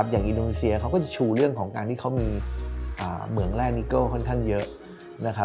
อินโดนีเซียเขาก็จะชูเรื่องของการที่เขามีเหมืองแร่นิโก้ค่อนข้างเยอะนะครับ